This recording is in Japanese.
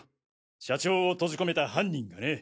社長を閉じ込めた犯人がね。